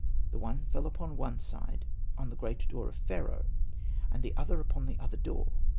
The one fell upon the one side, on the great door of Pharaoh, and the other upon the other door.